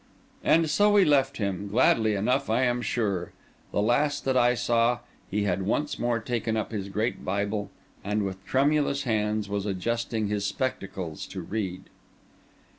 And so we left him, gladly enough I am sure. The last that I saw, he had once more taken up his great Bible, and with tremulous hands was adjusting his spectacles to read.